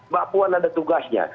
pak puan ada tugasnya